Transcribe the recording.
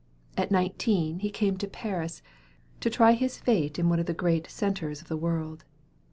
At nineteen he came to Paris to try his fate in one of the great centres of the world.